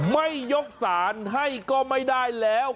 ไม่ยกสารให้ก็ไม่ได้แล้ว